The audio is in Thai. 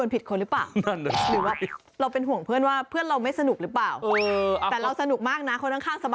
พี่เอามาด้วยครับ